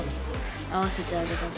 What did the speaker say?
会わせてあげたい。